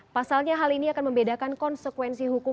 pasalnya hal ini akan membedakan konsekuensi hukum